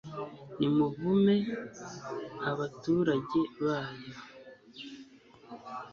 nimuvume abaturage bayo